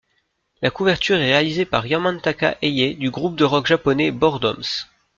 La couverture est réalisée par Yamantaka Eye du groupe de rock japonais Boredoms.